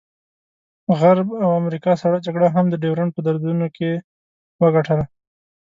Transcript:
غرب او امریکا سړه جګړه هم د ډیورنډ په دردونو کې وګټله.